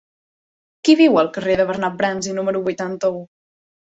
Qui viu al carrer de Bernat Bransi número vuitanta-u?